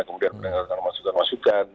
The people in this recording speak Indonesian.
kemudian pendengarkan masukan masukan